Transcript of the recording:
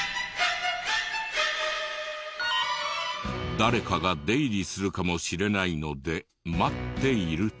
誰かが出入りするかもしれないので待っていると。